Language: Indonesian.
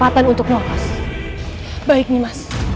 sesuai keij hardenedu